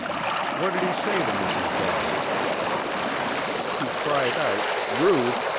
"What did he say to Mrs. Darwin?" "He cried out, 'Ruth!'